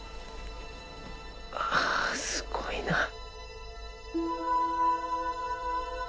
あすごいな。